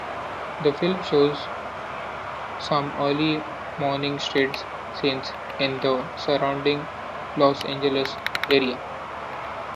The film shows some early morning street scenes in the surrounding Los Angeles area.